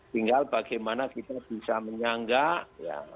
tinggal bagaimana kita bisa menyanggah ya